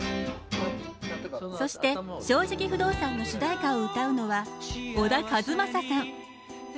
そして「正直不動産」の主題歌を歌うのは小田和正さん。